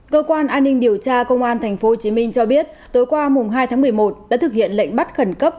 cơ quan an ninh điều tra công an tp hcm cho biết tối qua mùng hai tháng một mươi một đã thực hiện lệnh bắt khẩn cấp